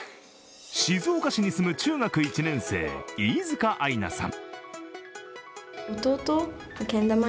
静岡市に住む中学１年生飯塚愛菜さん。